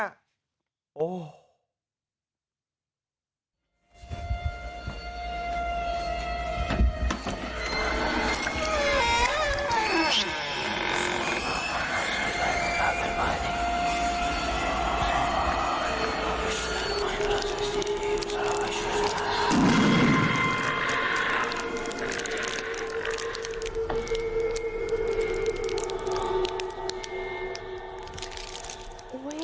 อ้าว